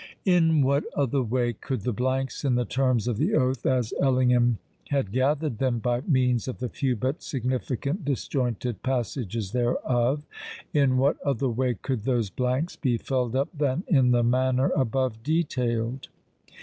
In what other way could the blanks in the terms of the oath—as Ellingham had gathered them by means of the few but significant disjointed passages thereof,—in what other way could those blanks be filled up than in the manner above detailed?